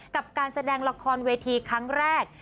กับการแสดงละครเวทีครั้งแรก